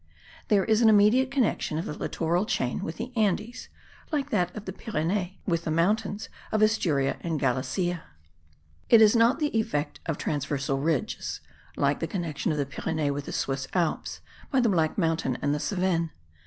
There is an immediate connection of the littoral chain with the Andes, like that of the Pyrenees with the mountains of Asturia and Galicia; it is not the effect of transversal ridges, like the connection of the Pyrenees with the Swiss Alps, by the Black Mountain and the Cevennes.